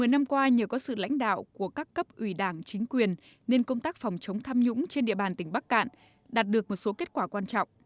một mươi năm qua nhờ có sự lãnh đạo của các cấp ủy đảng chính quyền nên công tác phòng chống tham nhũng trên địa bàn tỉnh bắc cạn đạt được một số kết quả quan trọng